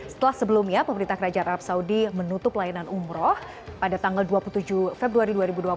setelah sebelumnya pemerintah kerajaan arab saudi menutup layanan umroh pada tanggal dua puluh tujuh februari dua ribu dua puluh